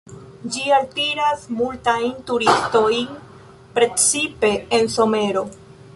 Ĝi altiras multajn turistojn, precipe en somero.